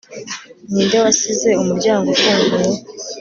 ninde wasize umuryango ufunguye